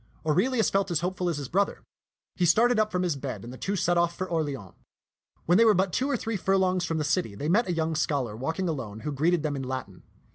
Aurelius felt as hopeful as his brother. He started up from his bed, and the two set off for Orleans. When they were but two or three furlongs from the city, they met a young scholar walking alone who greeted them in Latin.